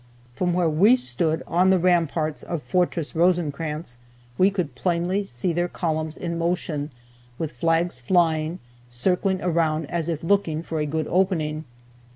From where we stood on the ramparts of Fortress Rosecrans we could plainly see their columns in motion, with flags flying, circling around us as if looking for a good opening.